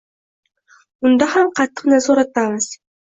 Unda ham qattiq nazoratdamiz.